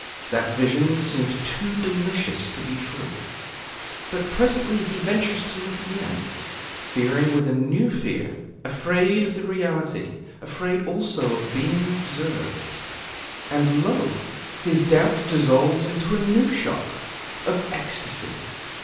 That vision seemed too delicious to be true. But presently he ventures to look again, fearing with a new fear, afraid of the reality, afraid also of being observed; and lo! his doubt dissolves in a new shock of ecstasy.